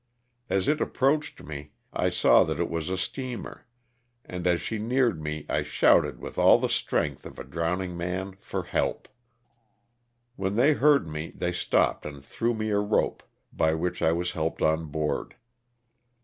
As it approached me I saw that it was a steamer, and as she neared me I shouted with all the strength of a drowning man for help. When they heard me they stopped and threw me a rope, by which I was helped on board.